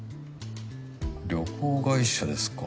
旅行会社ですか。